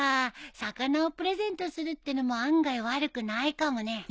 魚をプレゼントするってのも案外悪くないかもね。